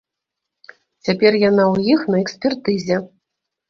Цяпер яна ў іх на экспертызе.